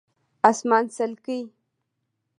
🦇 اسمان څلکي